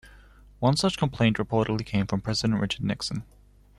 One such complaint reportedly came from President Richard Nixon.